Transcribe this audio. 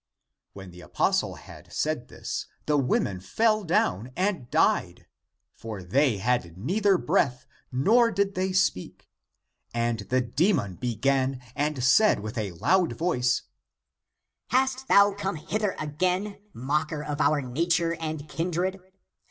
When the apostle had said this, the women fell ACTS OF THOMAS 289 down and died. For they had neither breath, nor did they speak. And the demon began and said with a loud voice, " Hast thou come hither again, mocker of our nature and kindred?